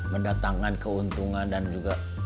mendatangkan keuntungan dan juga